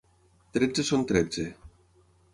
Tretze són tretze.